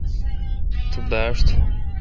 تو باݭ تھون